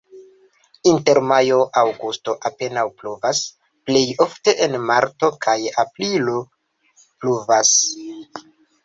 Inter majo-aŭgusto apenaŭ pluvas, plej ofte en marto kaj aprilo pluvas.